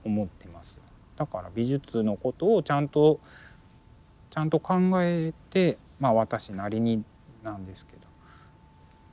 だから「美術」のことをちゃんとちゃんと考えて私なりになんですけど。